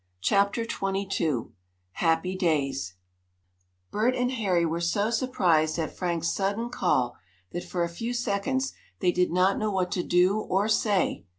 CHAPTER XXII HAPPY DAYS Bert and Harry were so surprised at Frank's sudden call, that, for a few seconds, they did not know what to do or say.